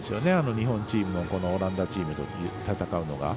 日本チーム、オランダチームと戦うのは。